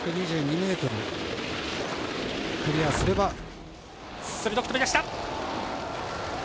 １２２ｍクリアすれば。